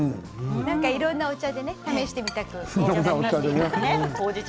いろいろなお茶で試してみたくなりますね。